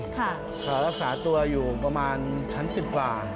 เขารักษาตัวอยู่ประมาณชั้น๑๐กว่า